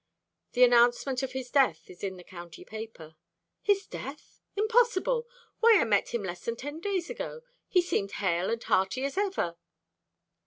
"The announcement of his death is in the county paper." "His death? Impossible! Why, I met him less than ten days ago. He seemed hale and hearty as ever."